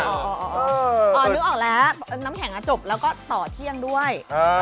น๊อบนึกออกแล้วเหรอน้ำแข็งจะจบต่อเที่ยงด้วย